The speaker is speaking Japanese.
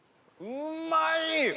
うまい！